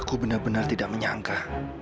aku benar benar tidak menyangka